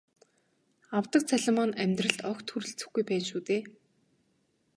Авдаг цалин маань амьдралд огт хүрэлцэхгүй байна шүү дээ.